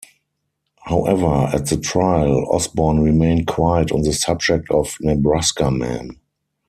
However, at the trial, Osborn remained quiet on the subject of Nebraska man.